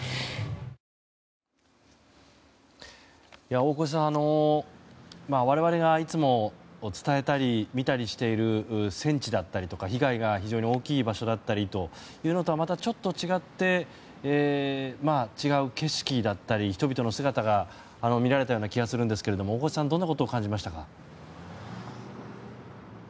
大越さん、我々がいつも伝えたり見たりしている戦地だったりとか被害が非常に大きい場所だったりというのとはまたちょっと違って違う景色だったり人々の姿が見られたような気がしましたが大越さん、どんなことを感じましたか？